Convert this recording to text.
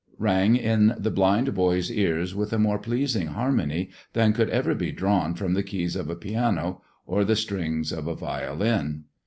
rang in the blind boy's ears with a more pleasing harmony than could ever be drawn from the keys of a piano or the strings of a violin.